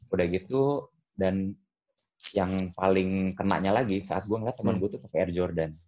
udah gitu dan yang paling kenanya lagi saat gue ngeliat temen gue tuh pake air jordan